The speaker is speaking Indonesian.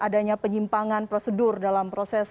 adanya penyimpangan prosedur dalam proses